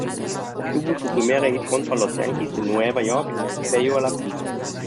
Obtuvo su primer hit contra los Yanquis de Nueva York en el Cellular Field.